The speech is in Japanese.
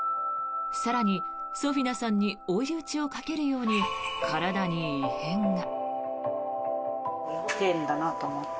更に、ソフィナさんに追い打ちをかけるように体に異変が。